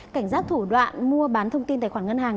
cảnh giác thủ đoạn mua bán thông tin tài khoản ngân hàng